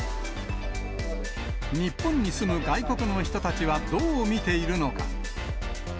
日本に住む外国の人たちはどう見ているのか。